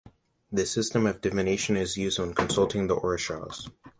This system of divination is used when consulting the Orishas.